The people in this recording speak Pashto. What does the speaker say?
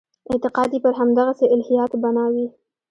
اعتقاد یې پر همدغسې الهیاتو بنا وي.